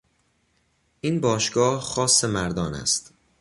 این باشگاه خاص مردان است.